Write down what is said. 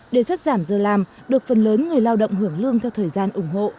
đề xuất giảm giờ làm được phần lớn người lao động hưởng lương theo thời gian ủng hộ